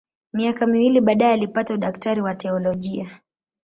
Miaka miwili baadaye alipata udaktari wa teolojia.